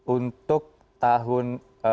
untuk tahun dua ribu